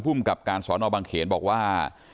พกสนบเขนบอกว่า